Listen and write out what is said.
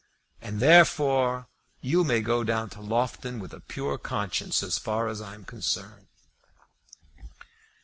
And, therefore, you may go down to Loughton with a pure conscience as far as I am concerned."